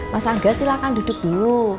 mas angga silakan duduk dulu